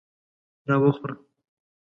دا وخوره !